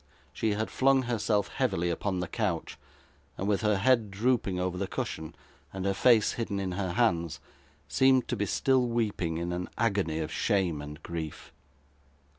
She had flung herself heavily upon the couch, and with her head drooping over the cushion, and her face hidden in her hands, seemed to be still weeping in an agony of shame and grief.